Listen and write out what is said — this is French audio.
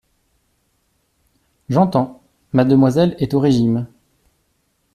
J'entends : mademoiselle est au régime.